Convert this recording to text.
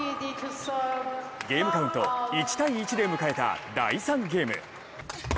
ゲームカウント１−１で迎えた第３ゲーム。